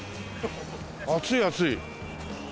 熱い熱い。